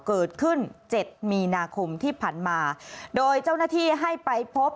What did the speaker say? เกิดขึ้นเจ็ดมีนาคมที่ผ่านมาโดยเจ้าหน้าที่ให้ไปพบ